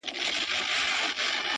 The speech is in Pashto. له مشرقه تر مغربه له شماله تر جنوبه!.